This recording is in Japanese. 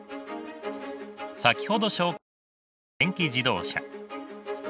先ほど紹介した電気自動車。